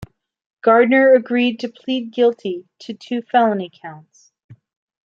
Gardner agreed to plead guilty to two felony counts.